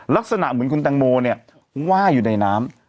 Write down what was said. ลักษณะเหมือนคุณแตงโมเนี่ยว่ายอยู่ในน้ำ